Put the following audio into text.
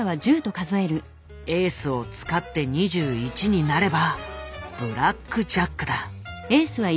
エースを使って２１になればブラックジャックだ。